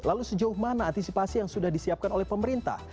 lalu sejauh mana antisipasi yang sudah disiapkan oleh pemerintah